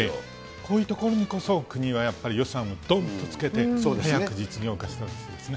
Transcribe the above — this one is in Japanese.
こういうところにこそ、国はやっぱり予算をどんとつけて、早く実業化してほしいですよね。